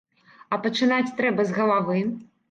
А пачынаць трэба з галавы.